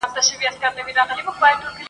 زه په دې چي مي بدرنګ سړی منلی ..